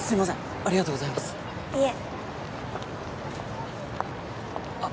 ありがとうございますいえあっ